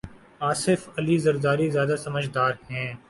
آصف علی زرداری زیادہ سمجھدار ہیں۔